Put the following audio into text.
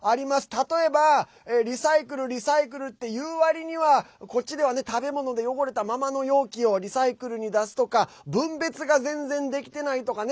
例えば、リサイクルリサイクルっていう割にはこっちでは食べ物で汚れたままの容器をリサイクルに出すとか分別が全然できてないとかね。